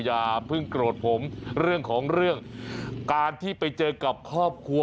อย่าเพิ่งโกรธผมเรื่องของเรื่องการที่ไปเจอกับครอบครัว